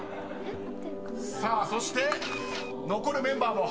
［さあそして残るメンバーも早い！］